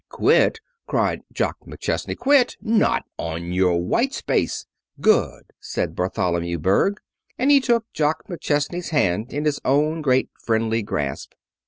"Quit!" cried Jock McChesney. "Quit! Not on your white space!" "Good!" said Bartholomew Berg, and took Jock McChesney's hand in his own great friendly grasp.